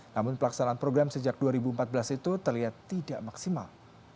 namun pelaksanaan program sejak dua ribu empat belas itu terlihat tidak maksimal